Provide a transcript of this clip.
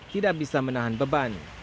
tidak bisa menahan beban